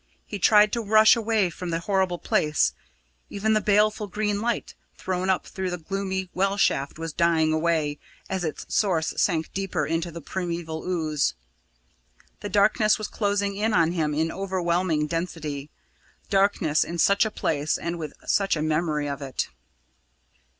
He tried to rush away from the horrible place; even the baleful green light, thrown up through the gloomy well shaft, was dying away as its source sank deeper into the primeval ooze. The darkness was closing in on him in overwhelming density darkness in such a place and with such a memory of it!